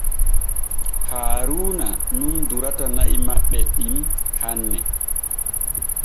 Haaruuna nun durata na’i maɓɓe ɗin hanne.